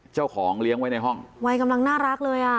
เจ้าของเลี้ยงไว้ในห้องวัยกำลังน่ารักเลยอ่ะ